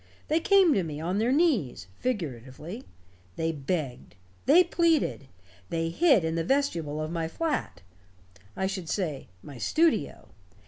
They came to me, on their knees, figuratively. They begged. They pleaded. They hid in the vestibule of my flat. I should say, my studio.